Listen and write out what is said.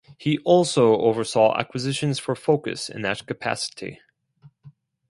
He also oversaw acquisitions for Focus in that capacity.